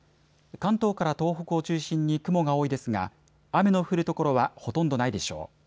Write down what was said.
関東から東北を中心に雲が多いですが雨の降る所はほとんどないでしょう。